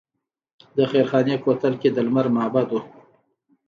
د خیرخانې کوتل کې د لمر معبد و